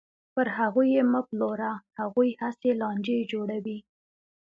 پر هغوی یې مه پلوره، هغوی هسې لانجې جوړوي.